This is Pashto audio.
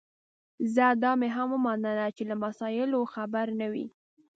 ځه دا مي هم ومنله چي له مسایلو خبر نه وې